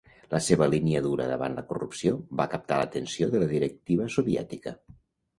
La seva línia dura davant la corrupció va captar l'atenció de la directiva soviètica.